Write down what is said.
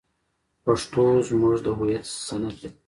پښتو زموږ د هویت سند دی.